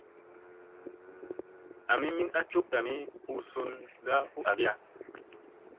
Ami min a cuk tami huu sund u agiya.